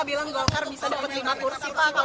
bukalkar minta lima kursi pak